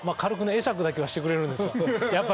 会釈だけはしてくれるんですわやっぱり。